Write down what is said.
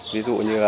ví dụ như là